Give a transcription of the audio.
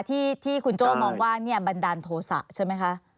ที่คุณโจ้มองว่าบันดาลโทษะใช่ไหมคะ